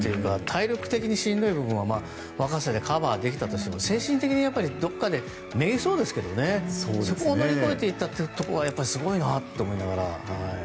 体力的にしんどい部分は若さでカバーできたとしても精神的にどこかでめいりそうですけどそこも乗り越えていったのはすごいなと思いながら。